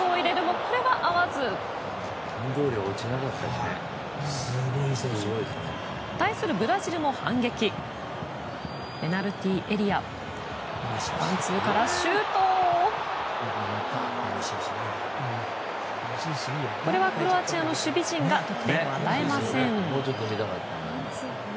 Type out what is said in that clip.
これはクロアチアの守備陣が得点を与えません。